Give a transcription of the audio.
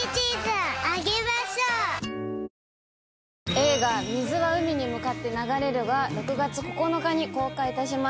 映画『水は海に向かって流れる』が６月９日に公開いたします。